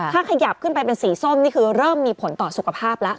ถ้าขยับขึ้นไปเป็นสีส้มนี่คือเริ่มมีผลต่อสุขภาพแล้ว